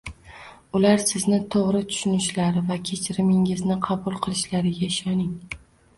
Ular sizni to‘g‘ri tushunishlari va kechirimingizni qabul qilishlariga ishoning.